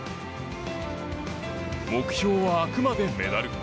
目標はあくまでメダル。